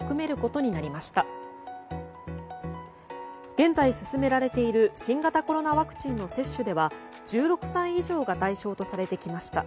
現在、進められている新型コロナワクチンの接種では１６歳以上が対象とされてきました。